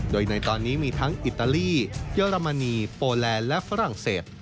โดยในตอนนี้มีทั้งอิตาลีเยอรมนีโปแลนด์และฝรั่งเศส